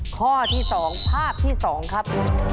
ข้อที่สองภาพที่สองครับ